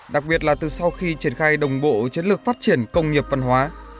đặc biệt là từ sau khi triển khai đồng bộ chiến lược phát triển công nghiệp văn hóa